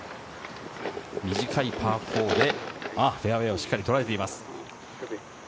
短いパー４でフェアウエーをしっかりとらえています。